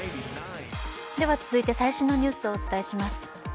では続いて最新のニュースをお伝えします。